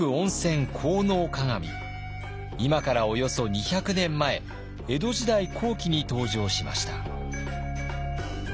今からおよそ２００年前江戸時代後期に登場しました。